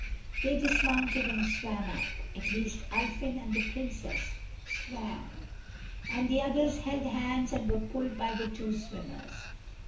They dismounted and swam up. At least Ulfin and the Princess swam and the others held hands and were pulled by the two swimmers.